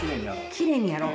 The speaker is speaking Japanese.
きれいにやろう。